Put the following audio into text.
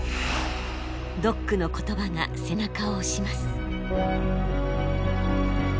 ドックの言葉が背中を押します。